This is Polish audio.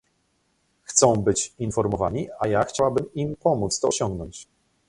Chcą być informowani, a ja chciałabym im pomóc to osiągnąć